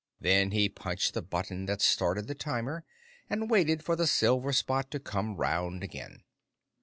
Then he punched the button that started the timer and waited for the silver spot to come round again.